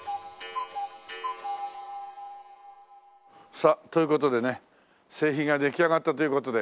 さあという事でね製品が出来上がったという事で。